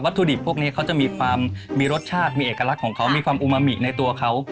ถุดิบพวกนี้เขาจะมีความมีรสชาติมีเอกลักษณ์ของเขามีความอุมามิในตัวเขา